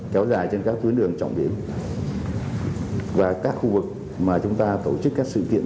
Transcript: kéo dài trên các tuyến đường trọng điểm và các khu vực mà chúng ta tổ chức các sự kiện